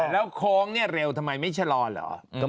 แล้วคงเร็วทำไมไม่ชะรอนเหรอ